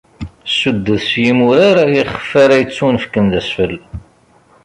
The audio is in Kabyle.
Cuddet s yimurar ixf ara yettunefken d asfel.